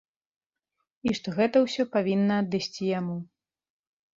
І што гэта ўсё павінна адысці яму.